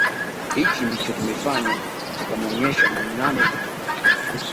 Hiki ndicho tumefanya katika maonesho ya Nanenane mwaka huu